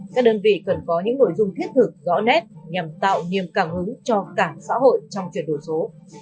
các đơn vị cần có những nội dung thiết thực rõ nét nhằm tạo niềm cảm hứng cho cả xã hội trong chuyển đổi số